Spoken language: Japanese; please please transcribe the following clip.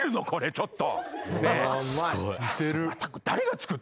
ちょっと。